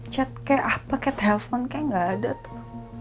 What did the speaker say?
chat kayak apa kayak telepon kayak gak ada tuh